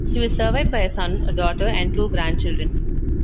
She was survived by a son, a daughter, and two grandchildren.